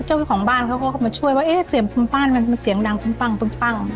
เจ้าของบ้านเขาก็มาช่วยว่าเอ๊ะเสียงภูมิปั้นมันเสียงดังปุ้งปั้ง